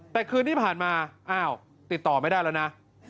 แต่คืนที่ผ่านมาอ้าวติดต่อไม่ได้แล้วนะ